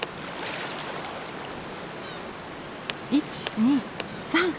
１２３！